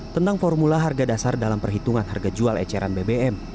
tentang formula harga dasar dalam perhitungan harga jual eceran bbm